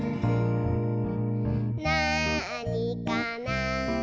「なあにかな？」